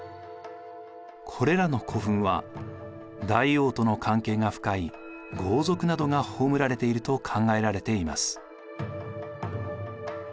これらの古墳は大王との関係が深い豪族などが葬られていると考えられています。